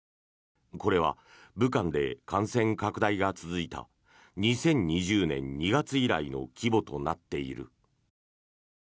これは武漢で感染拡大が続いた２０２０年２月以来の規模となっている。